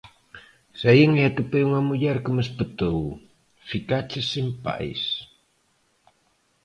Saín e atopei unha muller que me espetou: "Ficaches sen pais".